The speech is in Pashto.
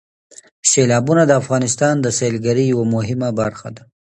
سیلابونه د افغانستان د سیلګرۍ یوه مهمه برخه ده.